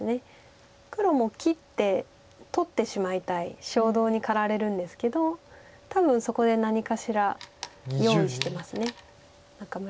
黒も切って取ってしまいたい衝動に駆られるんですけど多分そこで何かしら用意してます仲邑さんは。